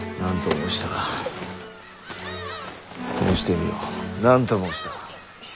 申してみよ。何と申した？